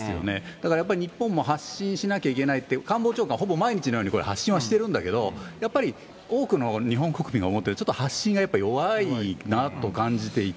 だからやっぱり日本も発信しなきゃいけないと、官房長官ほぼ毎日のようにこれ、発信はしてるんだけど、やっぱり多くの日本国民が思ってるように、発信がやっぱり弱いなと感じていて。